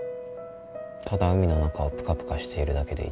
ただ海の中をプカプカしているだけで